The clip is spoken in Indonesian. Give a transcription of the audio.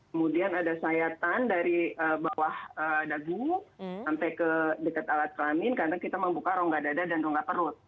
kemudian ada sayatan dari bawah dagu sampai ke dekat alat kelamin karena kita membuka rongga dada dan rongga perut